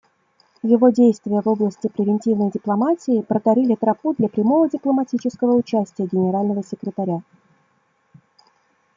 Его действия в области превентивной дипломатии проторили тропу для прямого дипломатического участия Генерального секретаря.